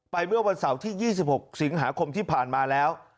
เมื่อวันเสาร์ที่๒๖สิงหาคมที่ผ่านมาแล้ว